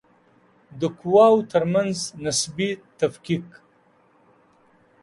د قواوو ترمنځ نسبي تفکیک